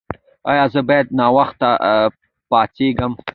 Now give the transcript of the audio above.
ایا زه باید ناوخته پاڅیږم؟